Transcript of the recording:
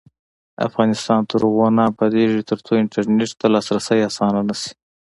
افغانستان تر هغو نه ابادیږي، ترڅو انټرنیټ ته لاسرسی اسانه نشي.